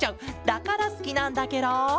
だからすきなんだケロ！